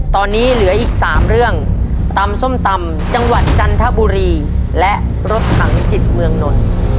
ตอนนี้เหลืออีก๓เรื่องตำส้มตำจังหวัดจันทบุรีและรถถังจิตเมืองนนท์